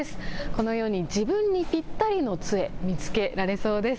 このように自分にぴったりのつえ見つけられそうです。